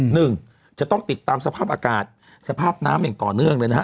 หนึ่งจะต้องติดตามสภาพอากาศสภาพน้ำอย่างต่อเนื่องเลยนะฮะ